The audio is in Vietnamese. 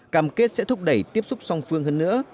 cam kết sẽ thúc đẩy tiếp xúc song phương hơn nữa